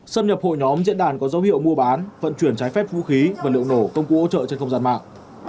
xâm nhập hội nhóm diễn đàn có dấu hiệu mua bán vận chuyển trái phép vũ khí và liệu nổ công cụ hỗ trợ trên không gian mạng